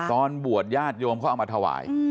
ตอนบวชญาติโยมเขาเอามาถวาย